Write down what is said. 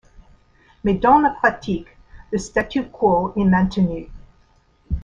Mais dans la pratique le statu quo est maintenu.